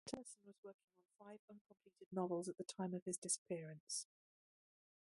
Tursun was working on five uncompleted novels at the time of his disappearance.